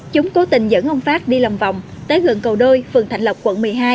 chúng cố tình dẫn ông phát đi lòng vòng tới gần cầu đôi phường thạnh lộc quận một mươi hai